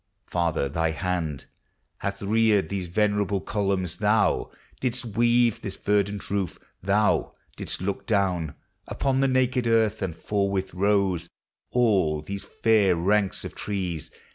Father, thy hand Hath reared these venerable columns, thou Didst weave this verdant roof. Thou didst look down Upon the naked earth, and forthwith rose All these fair ranks of trees.